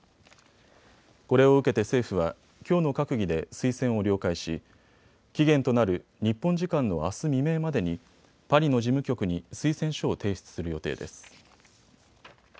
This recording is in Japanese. これを受けて政府はきょうの閣議で推薦を了解し期限となる日本時間のあす未明までにパリの事務局に推薦書を提出する予定です。